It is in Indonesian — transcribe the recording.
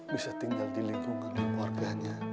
bisa tinggal di lingkungan keluarganya